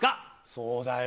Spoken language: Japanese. そうだよ。